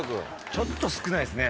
ちょっと少ないですね。